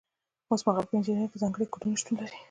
اوس مهال په انجنیری کې ځانګړي کوډونه شتون لري.